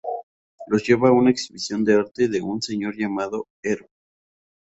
Los lleva a una exhibición de arte de un señor llamado Herb.